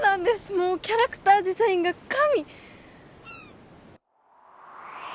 もうキャラクターデザインが神！